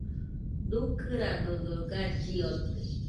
Dukɨradodo galli ote.